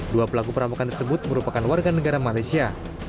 dua pelaku perampokan tersebut merupakan warga negara malaysia